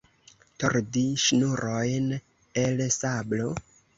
Tordi ŝnurojn el sablo.